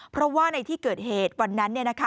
เพราะว่าในที่เกิดเหตุวันนั้น